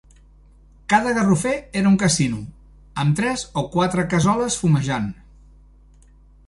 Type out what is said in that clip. Cada garrofer era un casino, amb tres o quatre cassoles fumejant